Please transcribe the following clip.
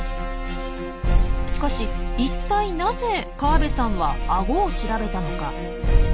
しかし一体なぜ河部さんはアゴを調べたのか？